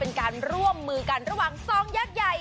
เป็นการร่วมมือกันระหว่างสองแยก